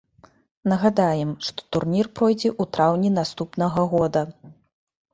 Нагадаем, што турнір пройдзе ў траўні наступнага года.